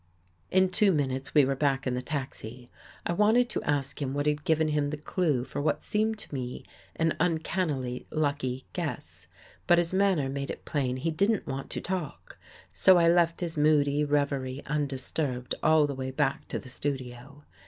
" In two minutes we were back in the taxi. I wanted to ask him what had given him the clue for what seemed to me an uncannily lucky guess, but his manner made it plain he didn't want to talk, so I left his moody revery undisturbed all the way back to the studio.